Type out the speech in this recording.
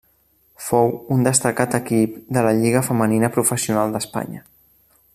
Fou un destacat equip de la Lliga femenina professional d'Espanya.